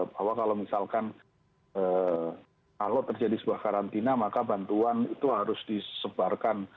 bahwa kalau misalkan kalau terjadi sebuah karantina maka bantuan itu harus disebarkan